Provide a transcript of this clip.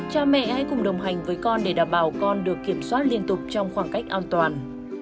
cha mẹ hãy cùng đồng hành với con để đảm bảo con được kiểm soát liên tục trong khoảng cách an toàn